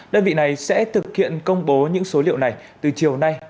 đơn vị này sẽ thực hiện công bố những số liệu này từ chiều nay